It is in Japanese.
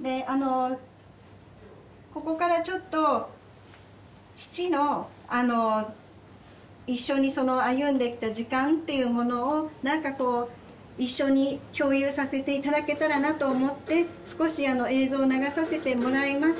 であのここからちょっと父のあの一緒にその歩んできた時間っていうものをなんかこう一緒に共有させて頂けたらなと思って少しあの映像を流させてもらいます。